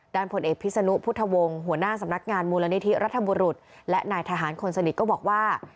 ผลเอกพิศนุพุทธวงศ์หัวหน้าสำนักงานมูลนิธิรัฐบุรุษและนายทหารคนสนิทก็บอกว่า